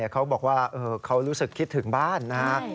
เขาบอกว่าเขารู้สึกคิดถึงบ้านนะครับ